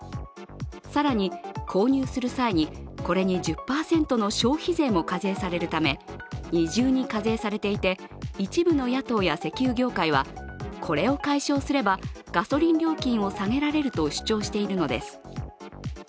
更に購入する際に、これに１０％の消費税も課税されるため二重に課税されていて、一部の野党や石油業界はこれを解消すればガソリン料金を下げられると主張しているのです。